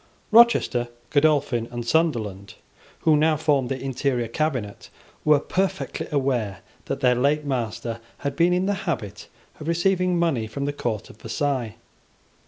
Rochester, Godolphin, and Sunderland, who now formed the interior cabinet, were perfectly aware that their late master had been in the habit of receiving money from the court of Versailles.